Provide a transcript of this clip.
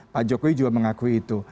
pak jokowi juga mengakui itu